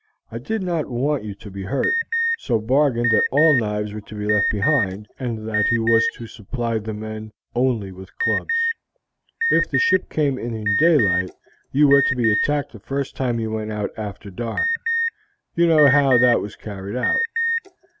I did not want you to be hurt, so bargained that all knives were to be left behind, and that he was to supply the men only with clubs. If the ship came in in daylight you were to be attacked the first time you went out after dark. You know how that was carried out.